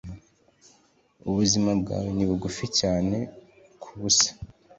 ubuzima bwawe ni bugufi cyane kubusa